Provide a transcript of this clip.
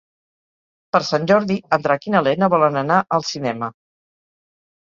Per Sant Jordi en Drac i na Lena volen anar al cinema.